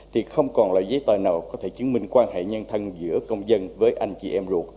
thì không còn loại giấy tờ nào có thể chứng minh quan hệ nhân thân giữa công dân với anh chị em ruột